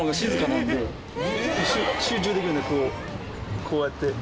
集中できるんでこうやって。